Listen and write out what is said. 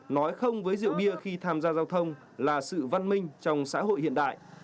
nói không với rượu bia khi tham gia giao thông là sự văn minh trong xã hội hiện đại